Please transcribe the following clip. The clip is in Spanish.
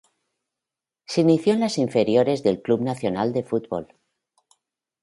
Se inició en las inferiores del Club Nacional de Football.